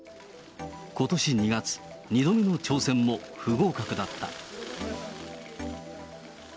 ことし２月、２度目の挑戦も不合格だった。